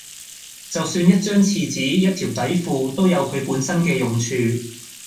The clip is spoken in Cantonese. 就算一張廁紙、一條底褲，都有佢本身嘅用處